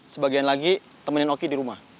sebagian lagi temenin oki di rumah